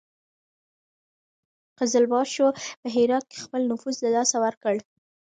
قزلباشو په هرات کې خپل نفوذ له لاسه ورکړ.